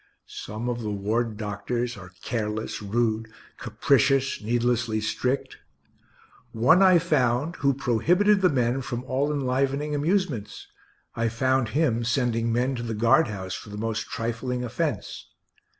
Some of the ward doctors are careless, rude, capricious, needlessly strict. One I found who prohibited the men from all enlivening amusements; I found him sending men to the guard house for the most trifling offence.